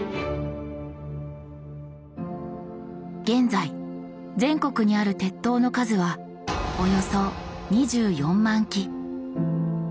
現在全国にある鉄塔の数はおよそ２４万基。